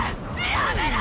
やめろ！